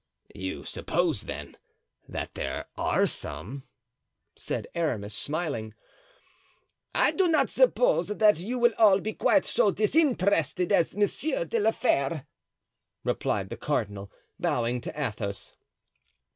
"You suppose, then, that there are some?" said Aramis, smiling. "I do not suppose that you will all be quite so disinterested as Monsieur de la Fere," replied the cardinal, bowing to Athos.